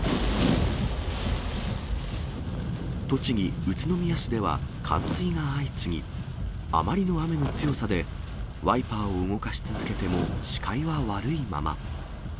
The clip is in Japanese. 栃木・宇都宮市では冠水が相次ぎ、あまりの雨の強さで、ワイパーを動かし続けても、視界は悪いまま。